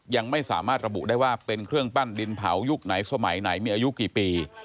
ยังไม่สามารถระบุได้ว่าเป็นเครื่องปั้นดินเผายุคไหนสมัยไหนมีอายุกี่ปี